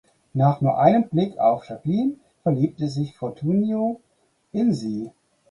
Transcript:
Nach nur einem Blick auf Jacqueline verliebt sich Fortunio in sie.